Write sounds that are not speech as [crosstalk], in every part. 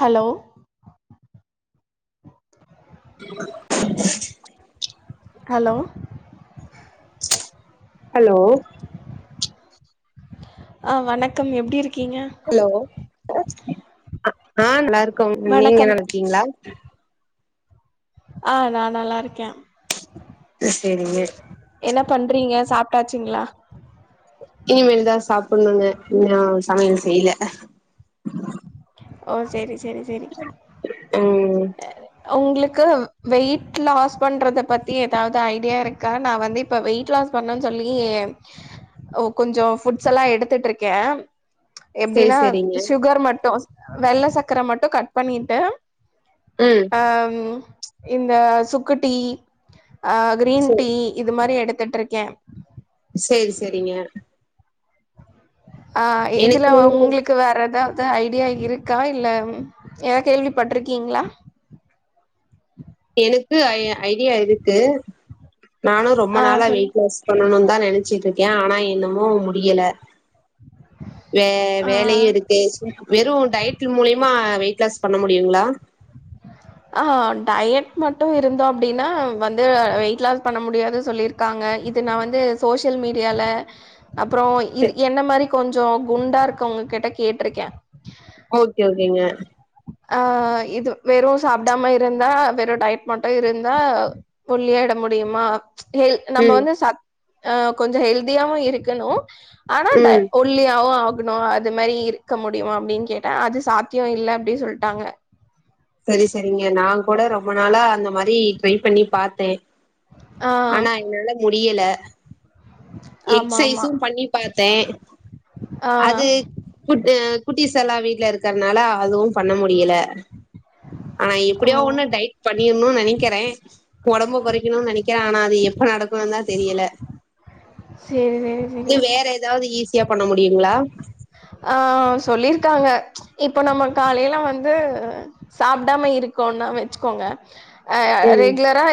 Hello hello hello அ வணக்கம் எப்டி இருக்கீங்க ஹலோ அ நல்லாருக்கோங் நீங்க என்ன வணக்கம் நல்லாக்கீங்ளா ஆ நா நல்லாருக்கே அ சேரிங்க என்ன பண்றீங்க சாப்ட்டாச்சுங்ளா இனிமேல்தா சாப்புட்னுங்க இன்னொ சமையல் செய்ல ஓ சேரி சேரி சேரி அ ம் ஒங்ளுக்கு வெயிட் லாஸ் பண்றத பத்தி எதாவ்து ஐடியா இருக் க்கா நா வந்து இப்ப வெயிட் லாஸ் பண்ணன் சொல்லி ஒ கொஞ்சொ ஃபுட்ஸ் எல்லா எடுத்துட் இருக்கே சேரி எப்டின்னா சேரிங்க சுகர் மட்டு வெள்ள சக்கர மட்டு கட் பண்ணிட்டு ம் அ ம் இந்த சுக்கு டீ அ கிரீன் சே டீ இது மாரி எடுத்துட் இருக்கே சேரி சேரரிங்க ஆ இதுல எனக்கு ஒங்ளுக்கு வேற எதாவ் து ஐடியா இருக்கா இல்ல ஏதா கேள்விப்பட்ருக்கீங்ளா எனுக்கு ஐ ஐடியா இருக்கு நானு ரொம்ப ஆ நாளா சொல்லு வெயிட் லாஸ் பண்ணனுந்தா நெனச்சிட் இருக்கே ஆனா என்னமோ முடியல வே ஆ வேலையு இருக்கெ சும் வெறு டயட் மூலியமா வெயிட் லாஸ் பண்ண முடியுங்ளா ஆ டயட் மட்டு இருந்தோ அப்டின்னா வந்து வெயிட் லாஸ் பண்ண முடியாது சொல்லிருக் க்காங்க இது நா வந்து சோஷியல் மீடியால அப்பறோ இது என்ன மாரி கொஞ்சொ குண்டா இருக்கவங்க கிட்ட கேட்ருக்கே ஓகே ஓகேங்க ஆ இது வெறு சாப்டாம இருந்தா வெறு டயட் மட்டு இருந்தா ஒல்லி ஆய்ட முடியுமா ஹெல் நம்ப ம் வந்து ச அ கொஞ்சொ ஹெல்தியாவு இருக்கனு ஆனா டய ம் ஒ ஒல்லியாவு ஆகனு அது மாரி இருக்க முடியுமா அப்டின்னு கேட்டா அது சாத்தியொ இல்ல அப்டின் சொல்ட்டாங்க செரி செரிங்க நா கூட ரொம்ப நாளா அந்த மாரி ட்ரை பண்ணி பாத்தே ஆ ஆனா என்னால முடியல ஆமா ஆமா எக்ஸைஸு பண்ணி பாத்தே ஆ அது குட்டு குட்டீஸ்ஸெல்லா வீட்ல இருக்கற்னால அதுவு பண்ண முடியல ஆனா ஓ எப்டியோ ஒண்ணு டயட் பண்ணிர்னு நெனைக்கிறே ஒடம்ப கொறைக்கணுன் நெனைக்கிறே ஆனா அது எப்ப நடக்குன் தா தெரியல சேரி சேரி இன்னு சேரி வேற எதாவ்து ஈஸியா பண்ண முடியுங்ளா ஆ சொல்லிருக்காங்க இப்ப நம்ம காலைல வந்து சாப்டாம இருக்கோனா வச்க்கோங்க ஆ ம் ரெகுலரா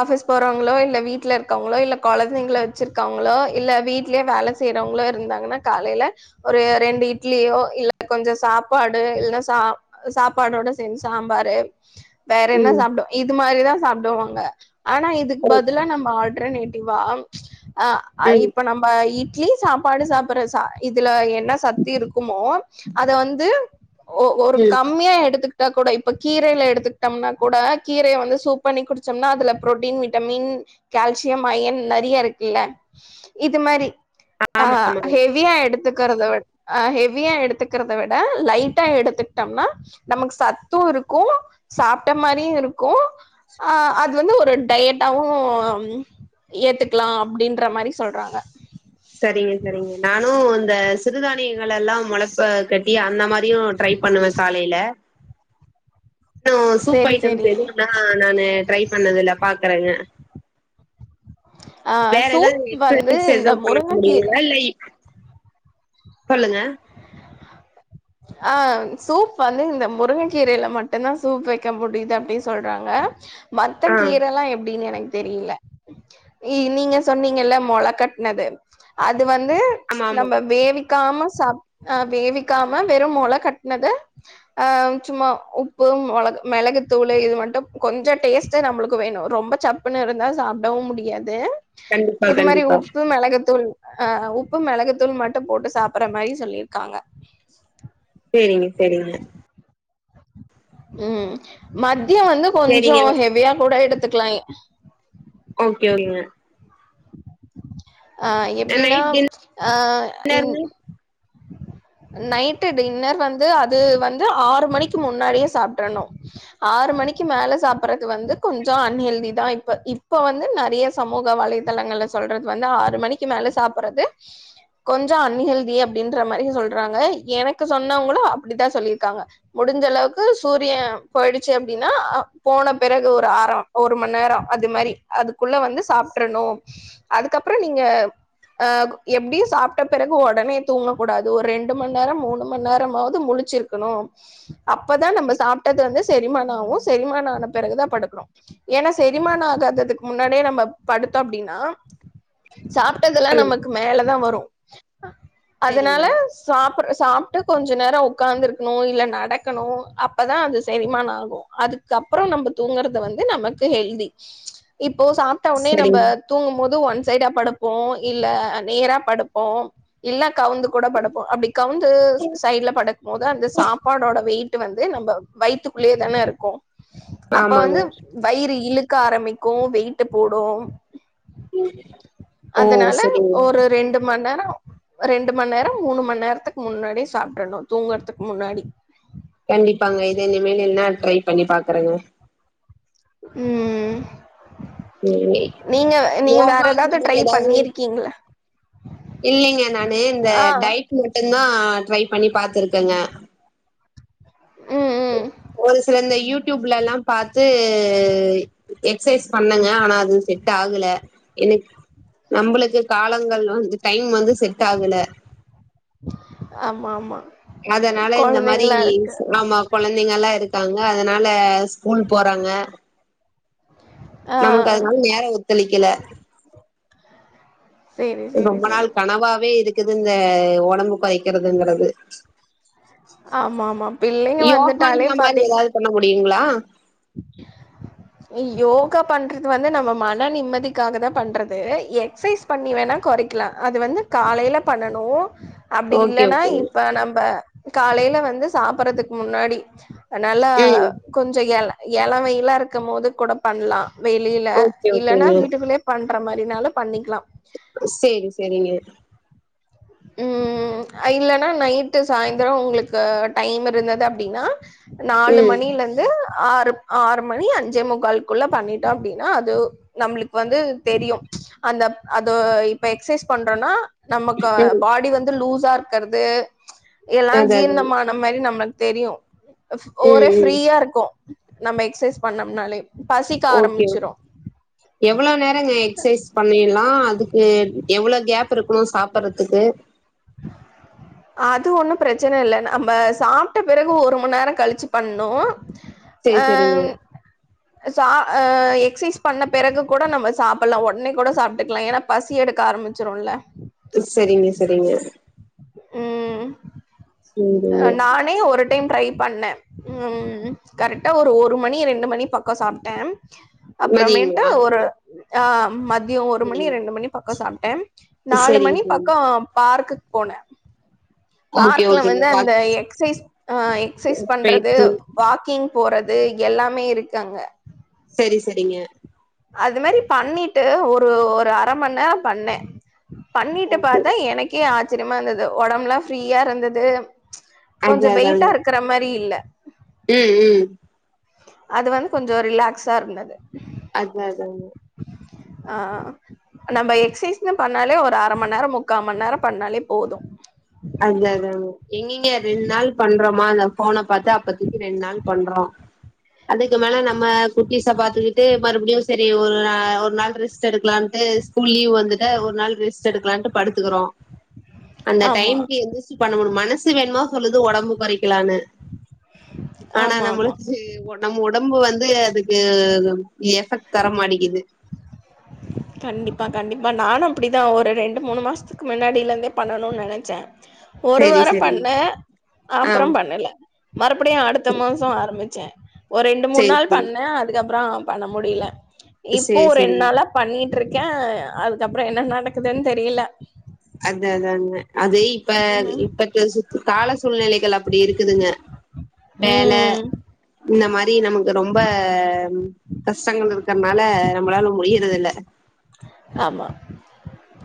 ஆஃபீஸ் போறோங்ளோ இல்ல வீட்லருக்கோங்களோ இல்ல கொழந்தைங்ள வச்சிருக்கவங்ளோ இல்ல வீட்லே‌ வேல செய்றவங்ளு இருந்தாங்கன்னா காலைல ஒரு ரெண்டு இட்லியோ இல்ல கொஞ்சோ சாப்பாடு இல்ல சா சாப்பாடோட சேந்து சாம்பாரு வேற என்ன ம் சாப்டு இது மாரிதா சாப்டுவாங்க ஆனா ஓ, இதுக்பதிலா நம்ம ஆல் ட்ரனேட்டிவா ஆ ம் இப்ப நம்ப இட்லி சாப்பாடு சாப்புற சா இதுல என்ன சக்திருக்குமோ அத வந்து ஒ ஒரு ம் கம் மியா எடுத்துக்ட்டா கூட இப்ப கீரைல எடுத்துக்ட்டம்னா கூட கீரைய வந்து சூப் பண்ணி குடு ச்சம்னா அதுல புரோட்டீன் விட்டமின் கால்சியம் அயன் நறியாருக்குல்ல இது மாரி ஆ ஹெவியா எடு துக்கறத வி ஆ ஹெவியா எடுத்துக்கறத விட லைட்டா எடுத்துட்டம்னா நமக்கு சத்து இருக்கு சாப்ட்ட மாரியு இருக்கு ஆ அது வந்து ஒரு டயட்டாவு ஏத்துக்லா அப்டின்ற மாரி சொல்றாங்க செரிங்க செரிங்க நானு இந்த சிறுதானியங்கள்லா மொளப்ப கட்டி அந்த மாரியு ட்ரை பண்ணுவே காலைல இன்னு சூப் சேரி ஐட்டம்ஸ் சேரி எதுல்லா நானு ட்ரை பண்ணதில்ல பாக்குறங்க ஆ வேற சூப் எதாவ்து வந்து எக்ஸசைஸ் இந்த எது பண்ண முருங்கக்கீர முடிங்ளா இல்ல சொல்லுங்க ஆ சூப் வந்து இந்த முருங்க கீரைல மட்டுந்தா சூப் வெக்க முடிது அப்டி சொல்றாங்க மத்த ஆ கீரல்லா எப்டின் எனக் தெரில இ நீங்க சொன்னீங்கள்ல மொள கட்னது அது வந்து ஆமா ஆமா நம்ப வேவிக்காம சாப் ஆ வேவிக்காம வெறு மொள கட்னத ஆ சும்மா உப்பு மொள மெளகு தூளு இது மட்டு கொஞ்சொ டேஸ்ட்டு நம்மளுக்கு வேனு ரொம்ப சப்புன்னுருந்தா சாப்டவு முடியாது கண்டிப்பா இது மாரி கண்டிப்பா உப்பு மெளகுத்தூள் ஆ உப்பு மெளகுத்தூள் மட்டு போட்டு சாப்புற மாரி சொல்லிருக்காங்க சேரிங்க சேரிங்க ம் மத்யோ வந்து கொஞ்சோ சேரிங்க ஹெவியா கூட எடுத்துக்லா ஓகே ஓகேங்க ஆ எப்டின்னா நைட் ஆ இன் டின்னர்ங்க நைட்டு டின்னர் வந்து அது வந்து ஆறு மணிக்கி முன்னாடியே சாப்ட்ரனு ஆறு மணிக்கி மேல சாப்புறது வந்து கொஞ்சோ அன்ஹெல்தி தா இப்ப இப்ப வந்து நெறைய சமூக வலைதளங்கள்ல சொல்றது வந்து ஆறு மணிக்கி மேல சாப்புறது கொஞ்சோ அன்ஹெல்தி அப்டின்ற மாரி சொல்றாங்க எனக்கு சொன்னவங்ளு அப்டிதா சொல்லிர்க்காங்க முடிஞ்ச அளவுக்கு சூரிய போயிடுச்சு அப்டின்னா அ போன பிறகு ஒரு ஆரோ ஒரு மந்நேரோ அது மாறி அதுக்குள்ள வந்து சாப்ட்ரணு அதுக்கப்பறோ நீங்க அ எப்டியு சாப்ட்ட பிறகு ஒடனே தூங்கக்கூடாது ஒரு ரெண்டு மந்நேரோ மூணு மந்நேரமாவது முழுச்சிருக் கணு அப்பதா நம்ம சாப்ட்டது வந்து செரிமான ஆவு செரிமான ஆன பெறகுதா படுக்கணு ஏன்னா செரிமான ஆகாததுக்கு முன்னாடியே நம்ம படுத்தோ அப்டின்னா சாப்டதுல்லா நமக்கு மேலதா வரு சேரிங்க அதனால சாப்ற சாப்ட்டு கொஞ்சோ நேரோ உக்காந்துருக்கணு இல்ல நடக்கணு அப்பதா அது செரிமான ஆகு அதுக் அதுக்கப்றோ நம்ம தூங்குறது வந்து நமக்கு ஹெல்தி இப்போ சாப்ட்ட உனே நம்ம சரிங்க தூங்கும்போ து ஒன் சைடா படுப்போ இல்ல நேரா படுப்போ இல்ல கவுந்து கூட படுப்போ அப்டி கவுந்து சைட்ல படுக்கும்போது அந்த சாப்பாடோட வெயிட் டு வந்து நம்ம வைத்துக்குள்ளேயே தான இருக்கு அப்ப ஆமாங்க வந்து வயிறு இழுக்க ஆரமிக்கு வெயிட்டு போடு ஓ அதனால சரிங்க ஒரு ரெண்டு மந்நேரோ ரெண்டு மந்நேரோ மூணு மந்நேரத்துக்கு முன்னாடியே சாப்ட்ரணு தூங்குறதுக்கு முன்னாடி கண்டிப்பாங்க இது இன்னிமேல் என்னா ட்ரை பண்ணி பாக்குறேங்க ம் ம் நீங்க நீ வேற யோகா எதாவது ட்ரை பண்ணிருக்கீங்களா இல்லலைங்க நானு இந்த ஆ டைட் மட்டுந்தா ட்ரை பண்ணி பாத்துருக்கேங்க ம் ம் ஒரு சில இந்த யூடியூப்லல்லா பாத்து எக்சைஸ் பண்ணங்க ஆனா அது செட் ஆகல எனக்கு நம்மளுக்கு காலங்கள் வந்து டைம் வந்து செட் ஆகல ஆமா ஆமா அதனால இந்த மாரி கொழந்தைங்களா இருக்கு ஆமாம் கொழந்தைங்கல்லா இருக்காங்க அதனால ஸ்கூல் போறாங்க ஆ நமக்கு அதனால நேர ஒத்தொழைக்கல சேரி சேரி ரொம்ப நாள் சேரி கனவாவே இருக்குது இந்த ஒடம்பு கொரைக்கிறதுங்கிறது ஆமா ஆமா பிள்ளைங்க வந்துட்டாலே இந்த மாரி பாத்தீங் ஏதாவது பண்ண முடியுங்களா [inaudible] யோகா பண்ணுறது வந்து நம்ம மன நிம்மதிக்காக தா பண்ணுறது எக்ஸைஸ் பண்ணி வேணா கொறைக்கலா அது வந்து காலையில பண்ணனு அப்படி ஓகே இல்லைன்னா ஓகேங்க இப்ப நம்ம காலையில வந்து சாப்பறதுக்கு முன்னாடி நாலா ம் கொஞ்ச எல எலவெயிலா இருக்கும் போது கூட பண்ணலா வெளியில ஓகே இல்லன்னா ஓகேங்க வீட்டுக்குள்ளயே பண்ற மாரினாலு பண்ணிக்கலா சேரி சரிங்க ம் அ இல்லன்னா நைட்டு சாய்ந்திர உங்களுக்கு டைம் இருந்தது அப்படின்னா நாலு ம் மணிலருந் து ஆறு ஆறு மணி அஞ்சே முக்கால் குள்ள பண்ணிட்டோ அப்படின்னா அது நம்மளுக்கு வந்து தெரியு அந்த அது இப்ப எக்சைஸ் பண்றோனா நமக்கு ம் பாடி வந்து லூஸா இருக்கிறது அதா எல்லாம் அதாங்க ஜீர்ணமான மாரி நம்ம தெரியு ம் ஒரே ம் ஃப்ரீயா இருக்கோ நம்ம எக்ஸ்சைஸ் பண்ணோம்னாலே பசிக்க ஓகே ஓ ஆரம்மிச்சிரோ எவ்ளோ நேரங்க எக்சைஸ் பண்ணில்லா அதுக்கு எவ்ளோ கேப் இருக்கணு சாப்பறதுக்கு [unintelligible] அது ஒன்னு பிரச்சன இல்ல நம்ம சாப்ட்ட பிறகு ஒரு மண் நேரோ கழிச்சு பண்ணு சேரி அ சேரிங்க சா எக்ஸசைஸ் பண்ண பிறகு கூட நம்ம சாப்பில்லா ஒடனே கூட சாப்பிட்டுக்குலா ஏனா பசி எடுக்க ஆரம்பிச்சிருல செரிங்க செரிங்க ம் செரிங்க நானே ஒரு டைம் ட்ரை பண்ணே ம் கரெக்டா ஒரு ஒரு மணி ரெண்டு மணி பக்கோ சாப்ட்டே அப்றமேட்டு மதியங்களா ஒரு ஆ மதி மதியோ ஒரு மணி ரெண்டு மணி பக்கோ சாப்ட்டே செரிங்க நாலு செரிங்க மணி செரிங்க பக்கோ பார்க்குக்கு போன ஓகே பார்க்க்ல ஓகேங்க வந்து அந்த வாக் எக்ஸைஸ் ஆ எக்ஸசைஸ் பண்றது பயிற்சி வாக்கிங் போறது எல்லாமே இருக்கு அங்க செரி செரிங்க அது மேரி பண்ணிட்டு ஒரு ஒரு அரமண் நேரோ பண்ணே பண்ணிட்டு ஓகே பாத்தா எனக்கே ஆச்சரியமா இருந்தது ஒடம்புல்லா ஃப்ரீயா இருந்துது கொஞ்சோ அதா வெயிட்டா அதாங்க இருக்கற மாரி இல்ல ம் ம் அது வந்து கொஞ்சோ ரிலாக்ஸா இருந்தது அதா அதா ஆ நம்ம எக்ஸசைஸ்ன்னு பண்ணாலே ஒரு அர மண் நேரோ முக்கா மண் நேரோ பண்ணாலே போது அதா அதா எங்கிங்க ரெண் நாள் பண்றோமா அந்த ஃபோன பாத்து அப்பத்திக்கி ரெண் நாள் பண்றோ அதுக்கு மேல நம்ம குட்டிஸப் பாத்துக்கிட்டு மறுபடியு சரி ஒரு நா ஒரு நாள் ரெஸ்ட் எடுக்கலான்ட்டு ஸ்கூல் லீவ் வந்துட்டா ஒரு நாள் ரெஸ்ட் எடுக்கலான்ட்டு படுத்துக்குறோ [inaudible] அந்த ஆமா டைம்க்கு எந்துச்சி பண்ண முடியுமா மனசு வேணுமா சொல்லுது ஒடம்பு கொறைக்கலான்னு ஆனா ஆமா ஆமா நம்மளுக்கு நம் ஒடம்பு வந்து அதுக்கு எஃபெக்ட் தர மாட்டிக்கிது கண்டிப்பா கண்டிப்பா நானு அப்டிதா ஒரு ரெண்டு மூணு மாசத் க்கு மின்னாடியில இருந்தே பண்ணணு நெனச்ச ஒரு சரி வாரோ சரிங்க பண்ண ஆ அப்றோ பண்ணல மறுபடியு அடுத்த மாசோ ஆரம்பிச்ச ஒரு ரெண்டு மூணு சரி நாள் சரி பண்ண அதுக்கப்றோ முடில இப்போ சரி ரெண் சரிங்க நாளா பண்ணிட் இர்க்க அதுக்கப்றோ என்ன நடக்குதுன்னு தெரில அதா அதா அதான்ன அது ம். இப்ப தாட்ஸ் கால சூழ்நிலைகள் அப்டி இருக்குதுங்க வேல ம். இந்த மாரி நமக்கு ரொம்ப கஷ்டங்கள் இருக்கறனால நம்மளால முடியறது இல்ல ஆமா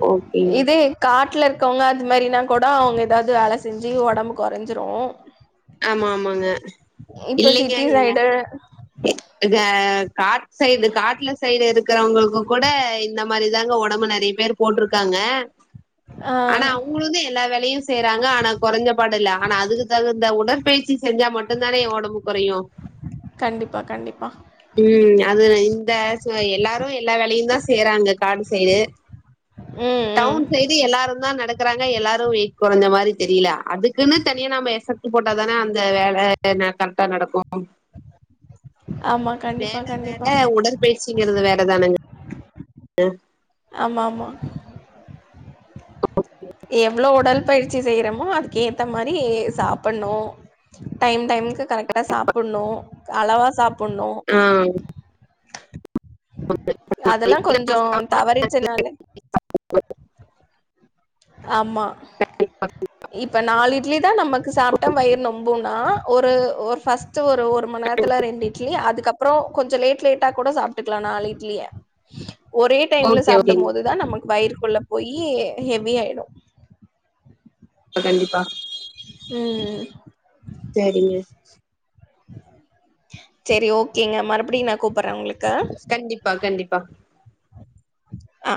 ஓகேங்க. இதே காட்ல்ல இருக்கவங்க அது மாரின்னா கூடோ அவுங்க எதாவுது வேல செஞ்சி ஒடம்பு கொறஞ்சிறு ஆமா, ஆமாங்க. இப்ப சிட்டி சைடு அ காட் சைடு காட்ல சைடு இருக்கிறவங்களுக்கு கூட இந்த மாரி தாங்க ஒடம்பு நெறைய பேரு போட்டுருக்காங்க [inaudible] ஆனா அவுங்களுந்தா எல்லா வேலயு செய்றாங்க ஆனா கொறஞ்ச பாடுல்ல ஆனா அதுக்கு தகு இந்த உடற்பயிற்சி செஞ்சா மட்டுந்தானே ஏ ஒடம்பு கொறயு கண்டிப்பா கண்டிப்பா ம் அது நா இந்த எல்லாரு எல்லா வேலையு தா சேறாங்க காட்டு சைடு ம் ம் டவுன் சை டு எல்லாரு தா நடக்கிறாங்க எல்லாரு வெயிட் கொறஞ்சா மாரி தெரியல அதுக்குன்னு தனியா நாம எபெக் ட்டு போட்டாதான அந்த வேல கரெக்டா நடக்கு ஆமா கண்டிப்பா வேல கண்டிப்பா வேற உடற்பயிற்சிங்கறது வேற தானங்க ஆமா ஆமா [unintelligible] எவ்ளோ ஒடல் பயிற்சி செய்யறோமோ அதுக்கு ஏத்த மாரி சாப்பன்னு டைம் டைமுக்கு கரெக்டா சாப்புன்னு அளவா சாப் புன்னு ஆ. அதெல்லா கொஞ் சோ தவரிச்சின்னாலே ஆமா இப்ப நாலு இட்லி தா நமக்கு சாப்ட்டா வயிறு நொம் புணா ஒரு ஒரு ஃபர்ஸ்ட்டு ஒரு ஒரு மண் நேரத்துல்ல ரெண்டு ட்லி அதுக்கப்புறோ கொஞ்சோ லேட் லேட்டா கூடோ சாப்ட்டுக்லா நாலு இட்லிய ஒரே டைம்ல ஓகே சாப்டும் ஓகேங்க போதுதா நமக்கு வயிறுக்குள்ள போயி ஹேவ் வி ஆயிடும் கண்டிப்பா ம் செரிங்க செரி ஓகேங்க மறுபடியு நா கூப்புட்ற உங்களுக்கு கண்டிப்பா கண்டிப்பா அ